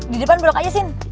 di depan belok aja sin